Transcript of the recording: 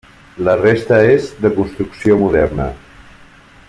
La resta és de construcció moderna.